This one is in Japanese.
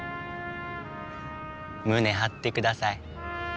胸張って下さい。